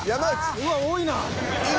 うわ多いな。